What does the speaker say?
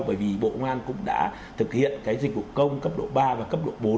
bởi vì bộ ngoan cũng đã thực hiện cái dịch vụ công cấp độ ba và cấp độ bốn